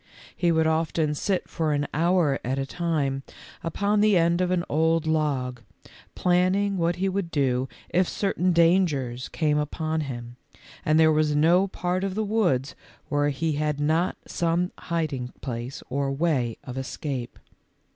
He would often sit for an hour at a time upon the end of an old log, planning what he would do if certain dangers came upon him, and there was no part of the woods where he had not some hiding place or way of escape.